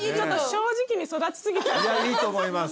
いやいいと思います。